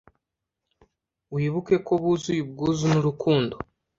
wibuke ko buzuye ubwuzu n'urukundo